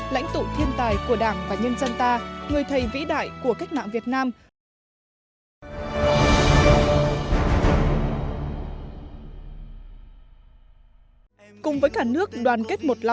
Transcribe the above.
lãnh tụ thiên tài của đảng và nhân dân ta người thầy vĩ đại của cách mạng việt nam